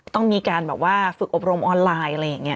ต้องมีการฝึกอบรมออนไลน์อะไรอย่างเงี้ย